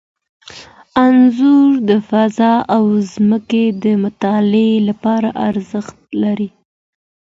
انځور د فضا او ځمکې د مطالعې لپاره ارزښت لري.